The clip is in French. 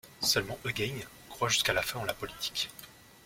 Seulement Heugeign croit jusqu'à la fin en la politique.